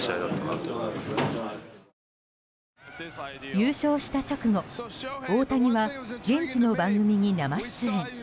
優勝した直後大谷は現地の番組に生出演。